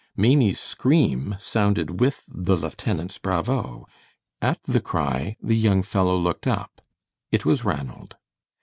Maimie's scream sounded with the lieutenant's "bravo." At the cry the young fellow looked up. It was Ranald.